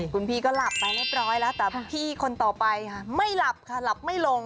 คุณพี่ก็หลับไปเรียบร้อยแล้วแต่พี่คนต่อไปค่ะไม่หลับค่ะหลับไม่ลง